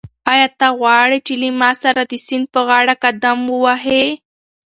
آیا ته غواړې چې له ما سره د سیند پر غاړه قدم ووهې؟